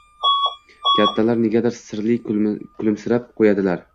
Kattalar negadir sirli kulimsirab qo‘yadilar…